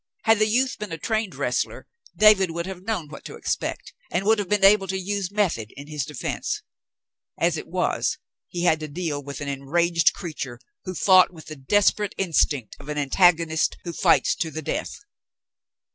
Had the youth been a trained wrestler, David would have known what to expect, and would have been able to use method in his defence. As it was, he had to deal with an enraged creature who fought with the desperate instinct of an antagonist who fights to the death.